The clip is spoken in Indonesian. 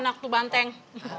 enak tuh banteng